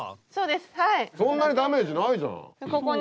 そんなにダメージないじゃん。